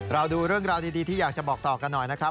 ดูเรื่องราวดีที่อยากจะบอกต่อกันหน่อยนะครับ